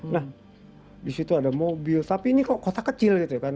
nah di situ ada mobil tapi ini kok kota kecil gitu ya kan